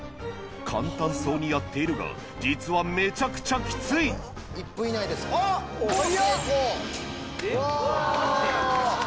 簡単そうにやっているが実はめちゃくちゃきついこれは。